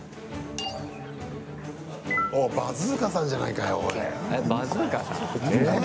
おっバズーカさんじゃないかよおい。